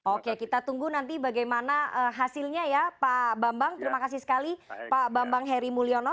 oke kita tunggu nanti bagaimana hasilnya ya pak bambang terima kasih sekali pak bambang heri mulyono